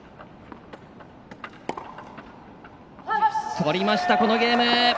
とりました、このゲーム。